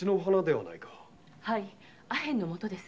はいアヘンの元です。